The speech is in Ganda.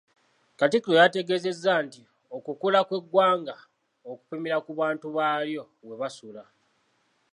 Katikkiro yategeezezza nti, ‘Okukula kw'eggwanga okupimira ku bantu baalyo bwe basula.